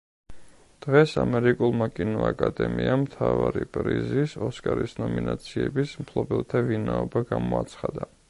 დღეს ამერიკულმა კინო-აკადემიამ მთავარი პრიზის, ოსკარის ნომინაციების მფლობელთა ვინაობა გამოაცხადა.